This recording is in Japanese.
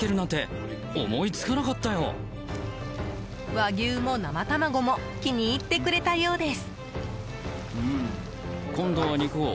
和牛も、生卵も気に入ってくれたようです。